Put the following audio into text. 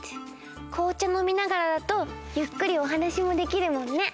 こうちゃのみながらだとゆっくりおはなしもできるもんね。